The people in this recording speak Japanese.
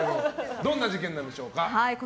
どんな事件でしょうか。